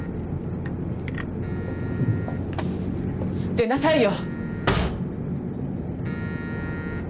出なさいよ。